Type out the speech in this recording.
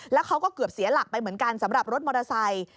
แล้วเขาก็เกือบเสียหลักไปเหมือนกันสำหรับรถมอเตอร์ไซค์